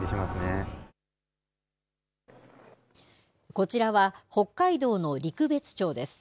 こちらは、北海道の陸別町です。